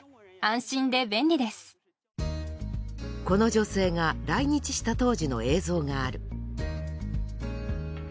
この女性が来日した当時の映像がある。